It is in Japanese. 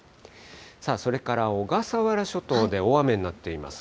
さあ、それから小笠原諸島で大雨になっています。